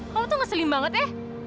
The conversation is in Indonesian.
kamu tuh ngeselin banget ya